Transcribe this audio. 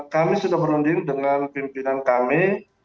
kami sudah berunding dengan pimpinan kami